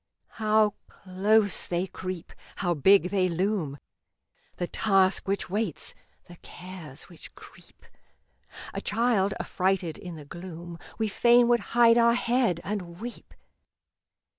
How close they creep! How big they loom! The Task which waits, the Cares which creep; A child, affrighted in the gloom, We fain would hide our head and weep.